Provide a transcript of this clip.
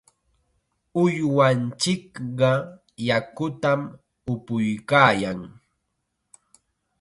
Uywanchikqa yakutam upuykaayan.